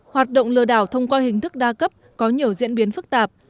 hoạt động lừa đảo thông qua hình thức đa cấp có nhiều diễn biến phức tạp